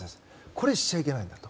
これはしちゃいけないんだ。